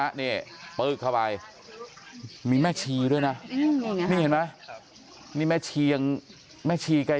ไอแน่นอนเห็นไหมนี่มีแม่ชีด้วยนะนี่แม่ชียังแม่ชีใกล้